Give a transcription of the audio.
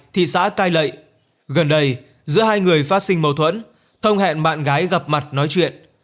thị xã cai lậy gần đây giữa hai người phát sinh mâu thuẫn thông hẹn bạn gái gặp mặt nói chuyện